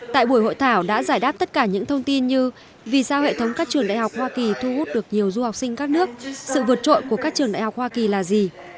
tại buổi hội thảo đã giải đáp tất cả những thông tin như vì sao hệ thống các trường đại học hoa kỳ thu hút được nhiều du học sinh các nước sự vượt trội của các trường đại học hoa kỳ là gì